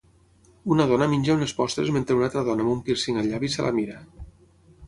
Una dona menja unes postres mentre una altra dona amb un pírcing al llavi se la mira.